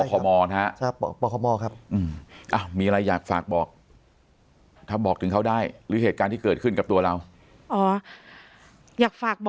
อยากให้นายทำตามภูมิที่สะบัด